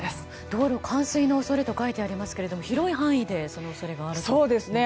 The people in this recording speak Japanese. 道路冠水の恐れと書いてありますが広い範囲でその恐れがあるということですね。